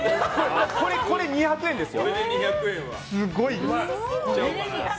これ、２００円ですよ？